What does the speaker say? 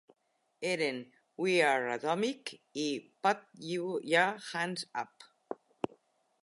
Eren "We R Atomic" i "Put Ya Hands Up".